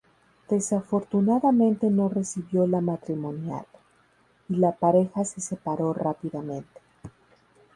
Desafortunadamente no recibió la matrimonial, y la pareja se separó rápidamente.